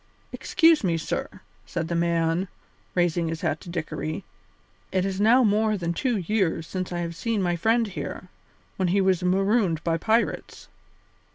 "Excuse me, sir," said the man, raising his hat to Dickory, "it is now more than two years since I have seen my friend here, when he was marooned by pirates.